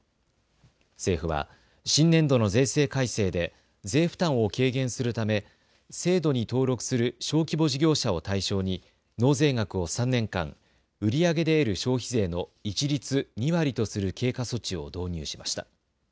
政府は新年度の税制改正で税負担を軽減するため制度に登録する小規模事業者を対象に納税額を３年間、売り上げで得る消費税の一律２割とする経過措置を導入しました。